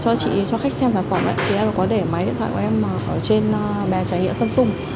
trong lúc cho khách xem sản phẩm chị có để máy điện thoại của em